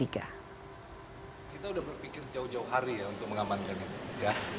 kita sudah berpikir jauh jauh hari ya untuk mengamankan ini